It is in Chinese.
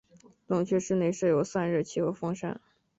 冷却室内设有散热器和风扇。